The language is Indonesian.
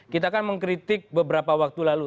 kita kan mengkritik beberapa waktu lalu